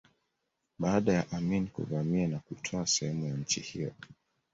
Baada ya Amin kuvamia na kutwaa sehemu ya nchi hiyo